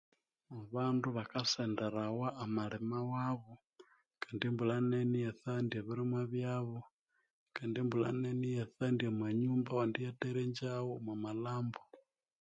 Abandu bakasenderawa amalima wabo kandi embulha nene iyatsandya ebirimwa byabo, kandi embulha nene iyatsandya amanyumba awandi iyatherengyagho omwa malhambo.